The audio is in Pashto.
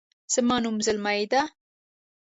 زما نوم زلمۍ ده